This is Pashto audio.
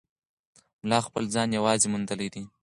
ملا خپل ځان یوازې موندلی دی.